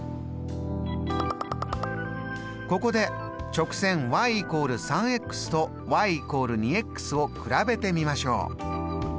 ここで直線＝３と＝２を比べてみましょう。